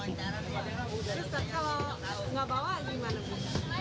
terus kalau nggak bawa gimana